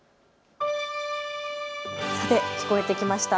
さて聞こえてきました